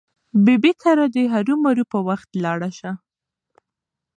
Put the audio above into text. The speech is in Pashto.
ببۍ کره دې هرو مرو په وخت لاړه شه.